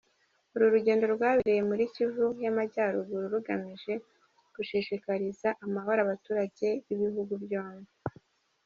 Uru rugendo rwabereye muri Kivu y’Amajyaruguru rugamije gushishikariza amahoro abaturage b’ibihugu byombi.